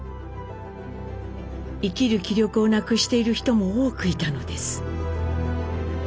生きる気力をなくしている人も多くいたのです。